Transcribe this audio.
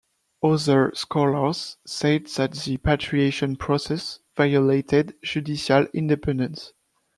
Other scholars said that the patriation process violated judicial independence.